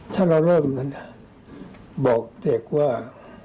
ถ้าเราเริ่มนั้นบอกเด็กว่า